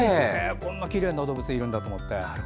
こんなきれいな動物いるんだと思って。